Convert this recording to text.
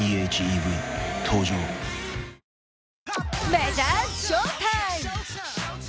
メジャーショータイム。